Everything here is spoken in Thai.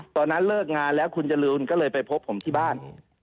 ตอนนั้นเลิกงานแล้วคุณจรูนก็เลยไปพบผมที่บ้าน